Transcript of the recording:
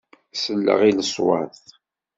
Selleɣ i leṣwat.